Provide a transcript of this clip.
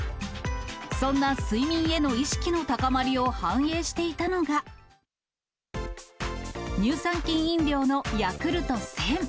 そんな睡眠への意識の高まりを反映していたのが、乳酸菌飲料のヤクルト１０００。